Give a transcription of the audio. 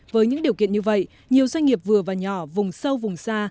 với những điều kiện như vậy nhiều doanh nghiệp vừa và nhỏ vùng sâu vùng xa